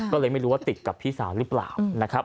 ก็เลยไม่รู้ว่าติดกับพี่สาวหรือเปล่านะครับ